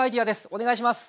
お願いします！